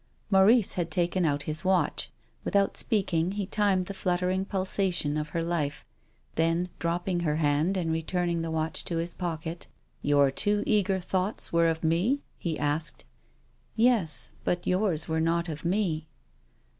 Maurice had taken out his watch. Without speaking he timed the fluttering pulsation of her life, then, dropping her hand and returning the watch to his pocket :" Your too eager thoughts were of mc ?" he asked. " Yes, but yours were not of mc."